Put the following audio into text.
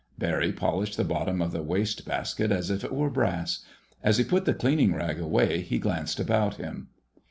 Barry polished the bottom of the waste basket as if it were brass. As he put the cleaning rag away, he glanced about him.